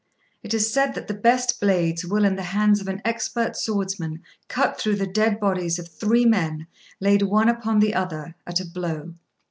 It is said that the best blades will in the hands of an expert swordsman cut through the dead bodies of three men, laid one upon the other, at a blow.